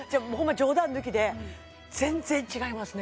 冗談抜きで全然違いますね